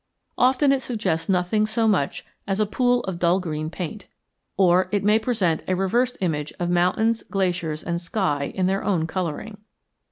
Often it suggests nothing so much as a pool of dull green paint. Or it may present a reversed image of mountains, glaciers, and sky in their own coloring.